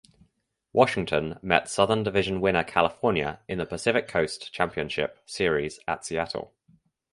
Washington met Southern division winner California in the Pacific Coast championship series at Seattle.